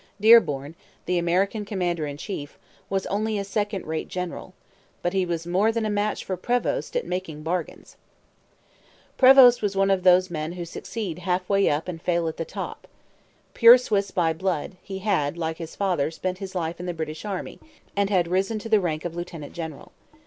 Dearborn, the American commander in chief, was only a second rate general. But he was more than a match for Prevost at making bargains. Prevost was one of those men who succeed half way up and fail at the top. Pure Swiss by blood, he had, like his father, spent his life in the British Army, and had risen to the rank of lieutenant general.